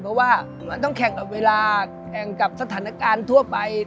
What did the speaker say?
เพราะว่ามันต้องแข่งกับเวลาแข่งกับสถานการณ์ทั่วไป